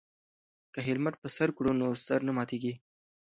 که هیلمټ په سر کړو نو سر نه ماتیږي.